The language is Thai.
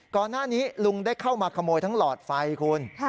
ก่อนหน้านี้ลุงได้เข้ามาขโมยทั้งหลอดไฟคุณ